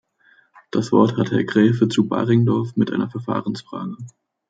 Das Wort hat Herr Graefe zu Baringdorf mit einer Verfahrensfrage.